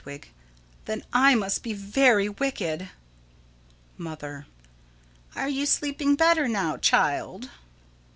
Hedwig: Then I must be very wicked. Mother: Are you sleeping better now, child?